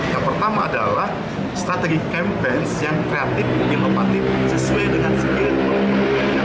yang pertama adalah strategi kampanye yang kreatif inovatif sesuai dengan sikil kelompok milenial